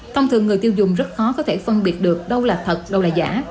thông thường người tiêu dùng rất khó có thể phân biệt được đâu là thật đâu là giả